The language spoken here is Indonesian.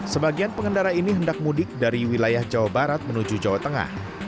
sebagian pengendara ini hendak mudik dari wilayah jawa barat menuju jawa tengah